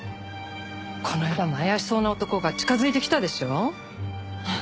この間も怪しそうな男が近づいてきたでしょ？